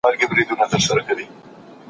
هغه وویل چي د داستاني اثر تحقیق ډېر مهم دی.